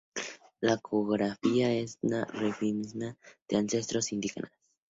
La cofradía es una reminiscencia de los ancestros indígenas.